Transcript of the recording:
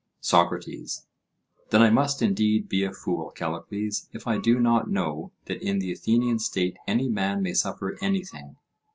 SOCRATES: Then I must indeed be a fool, Callicles, if I do not know that in the Athenian State any man may suffer anything.